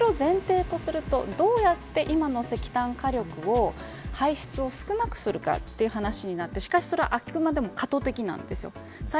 それを前提とするとどうやって今の石炭火力を排出を少なくするかという話になってしかしそれは、あくまでも過渡的なんです。